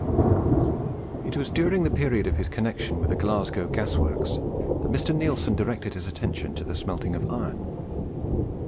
It was during the period of his connection with the Glasgow Gas works that Mr. Neilson directed his attention to the smelting of iron.